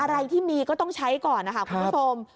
อะไรที่มีก็ต้องใช้ก่อนนะคะคุณผู้ชม